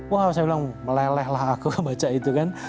wah saya bilang melelehlah aku baca itu kan